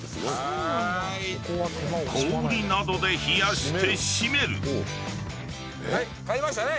［氷などで冷やして締める］買いましたね